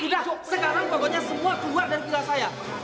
gila sekarang pokoknya semua keluar dari pila saya